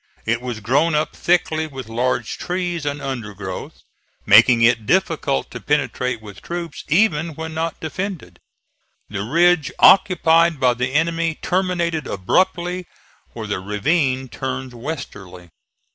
It was grown up thickly with large trees and undergrowth, making it difficult to penetrate with troops, even when not defended. The ridge occupied by the enemy terminated abruptly where the ravine turns westerly.